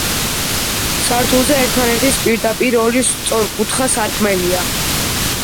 სართულზე, ერთმანეთის პირდაპირ, ორი სწორკუთხა სარკმელია.